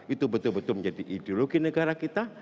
itu betul betul menjadi ideologi negara kita